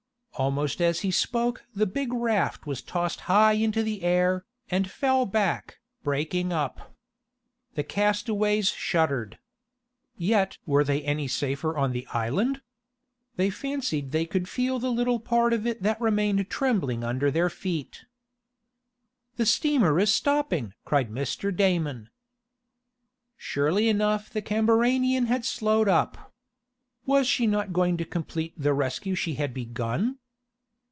Almost as he spoke the big raft was tossed high into the air, and fell back, breaking up. The castaways shuddered. Yet were they any safer on the island? They fancied they could feel the little part of it that remained trembling under their feet. "The steamer is stopping!" cried Mr. Damon. Surely enough the CAMBARANIAN had slowed up. Was she not going to complete the rescue she had begun?